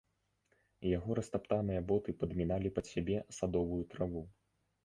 Яго растаптаныя боты падміналі пад сябе садовую траву.